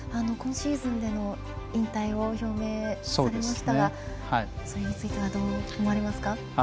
今シーズンでの引退を表明されましたがそれについてはどう思われますか？